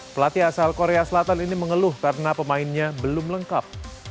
pelatih asal korea selatan ini mengeluh karena pemainnya belum lengkap